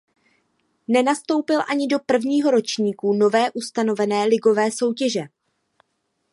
Nenastoupil ani do prvního ročníku nově ustavené ligové soutěže.